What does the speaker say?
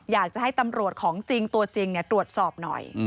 อยากจะให้ตำรวจของจริงตัวจริงตรวจสอบหน่อย